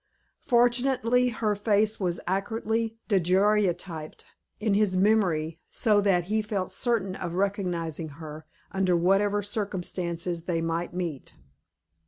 Fortunately her face was accurately daguerreotyped in his memory, so that he felt certain of recognizing her, under whatever circumstances they might meet.